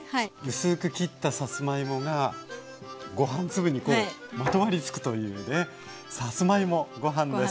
薄く切ったさつまいもがご飯粒にまとわりつくというねさつまいもご飯です。